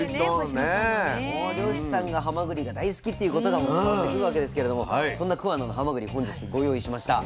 漁師さんがはまぐりが大好きということが伝わってくるわけですけれどもそんな桑名のはまぐり本日ご用意しました。